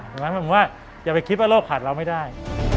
ดังนั้นผมว่าอย่าไปคิดว่าโลกขาดเราไม่ได้